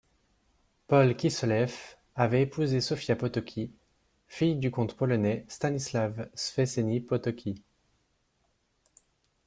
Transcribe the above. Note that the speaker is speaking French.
Paul Kisseleff avait épousé Sofia Potocki, fille du comte polonais Stanislaw Szczęsny Potocki.